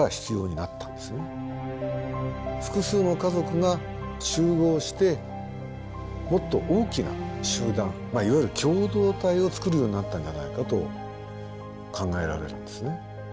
複数の家族が集合してもっと大きな集団いわゆる共同体を作るようになったんじゃないかと考えられるんですね。